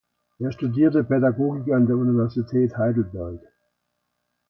Er studierte Pädagogik an der Universität Heidelberg.